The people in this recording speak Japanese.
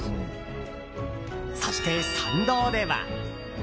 そして、参道では。